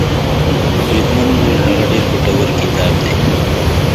بریدمن وویل هغه ډېر ګټور کتاب دی.